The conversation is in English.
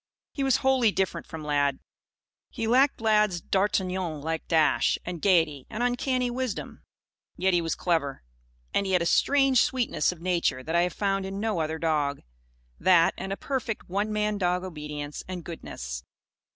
He was wholly different from Lad. He lacked Lad's d'Artagnan like dash and gaiety and uncanny wisdom. Yet he was clever. And he had a strange sweetness of nature that I have found in no other dog. That, and a perfect "one man dog" obedience and goodness.